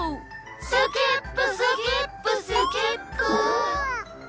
スキップスキップスキップゥ！